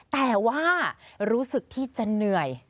แต่ว่ารู้สึกที่จะเหนื่อย